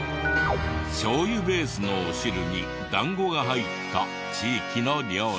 しょう油ベースのお汁に団子が入った地域の料理。